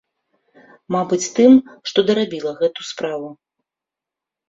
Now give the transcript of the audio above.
Мабыць, тым, што дарабіла гэту справу.